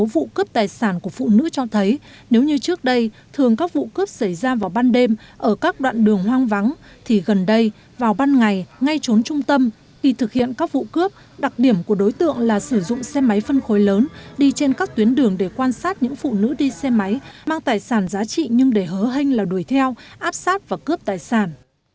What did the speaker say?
các vụ cướp tài sản của phụ nữ cho thấy nếu như trước đây thường các vụ cướp xảy ra vào ban đêm ở các đoạn đường hoang vắng thì gần đây vào ban ngày ngay trốn trung tâm khi thực hiện các vụ cướp đặc điểm của đối tượng là sử dụng xe máy phân khối lớn đi trên các tuyến đường để quan sát những phụ nữ đi xe máy mang tài sản giá trị nhưng để hỡ hênh là đuổi theo áp sát và cướp tài sản